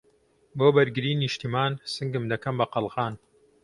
بۆ بەرگریی نیشتمان، سنگم دەکەم بە قەڵغان